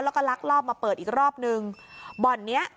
แล้วก็ลักลอบมาเปิดอีกรอบนึงบ่อนเนี้ย